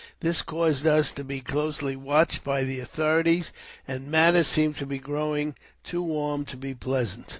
This caused us to be closely watched by the authorities, and matters seemed to be growing too warm to be pleasant.